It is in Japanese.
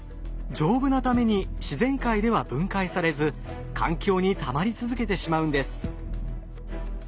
丈夫なために自然界では分解されず環境にたまり続けてしまうんです。